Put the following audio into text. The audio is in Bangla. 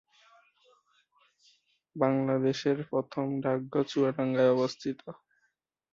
বাংলাদেশের প্রথম ডাকঘর চুয়াডাঙ্গায় অবস্থিত।